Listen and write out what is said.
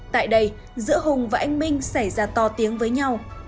tại đây giữa hùng và anh minh xảy ra to tiếng với nhau